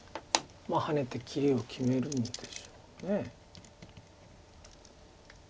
ハネて切りを決めるんでしょう。